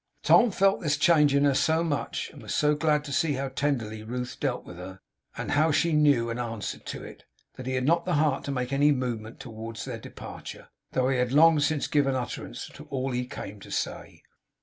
Tom felt this change in her so much, and was so glad to see how tenderly Ruth dealt with her, and how she knew and answered to it, that he had not the heart to make any movement towards their departure, although he had long since given utterance to all he came to say.